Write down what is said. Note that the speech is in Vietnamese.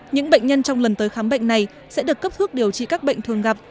những bệnh nhân trong lần tới khám bệnh này sẽ được cấp thuốc điều trị các bệnh thường gặp